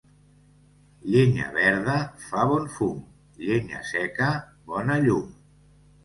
Llenya verda fa bon fum; llenya seca, bona llum.